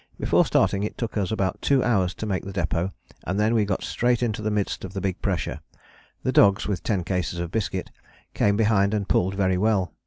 Before starting it took us about two hours to make the depôt and then we got straight into the midst of the big pressure. The dogs, with ten cases of biscuit, came behind and pulled very well.